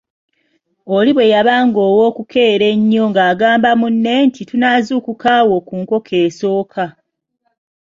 Oli bweyabanga ow'okukeera ennyo ng'agamba munne nti "tunaazuukuka awo mu enkoko esooka".